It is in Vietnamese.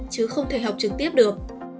chứ không thể học trực tiếp được